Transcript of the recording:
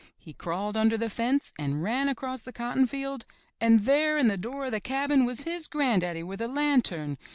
He crawled under the fence and ran across the cotton field and there in the door of the cabin was his gran' daddy with a lantern.